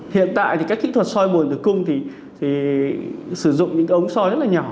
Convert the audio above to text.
hiện tại thì các kỹ thuật soi bùn tử cung thì sử dụng những ống soi rất là nhỏ